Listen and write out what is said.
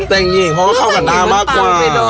แต่งหญิงเพราะว่าเข้ากับหน้ามากกว่า